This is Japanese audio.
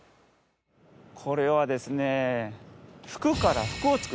これはですね